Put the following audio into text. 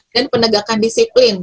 dan penegakan disiplin